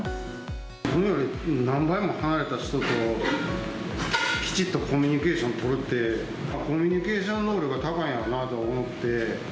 自分より何倍も離れた人ときちっとコミュニケーション取れて、コミュニケーション能力が高いんだろうなと思って。